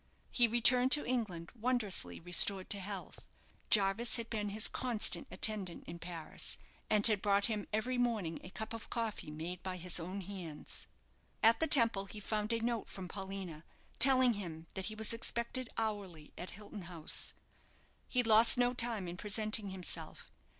He returned to England wondrously restored to health. Jarvis had been his constant attendant in Paris, and had brought him every morning a cup of coffee made by his own hands. At the Temple, he found a note from Paulina, telling him that he was expected hourly at Hilton House. He lost no time in presenting himself.